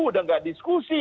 udah nggak diskusi